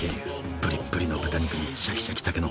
ぶりっぶりの豚肉にシャキシャキたけのこ。